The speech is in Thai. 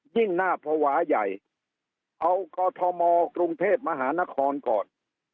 ยิ่งน่าภาวะใหญ่เอากอทมกรุงเทพมหานครก่อน